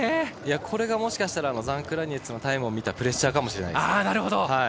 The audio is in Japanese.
これがもしかしたらジャン・クラニェツのタイムを見たプレッシャーかもしれませんね。